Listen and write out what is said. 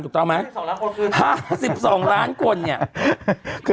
ถูกต้องไหมสิบสองล้านคนคือห้าสิบสองล้านคนเนี่ยคือ